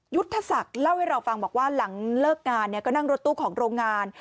ยุทธศักดิ์เล่าให้เราฟังบอกว่าหลังเลิกงานก็นั่งรถตู้ของโรงงาน